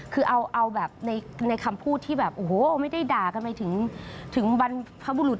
คือเอาแบบในคำพูดที่แบบโอ้โหไม่ได้ด่ากันไปถึงบรรพบุรุษ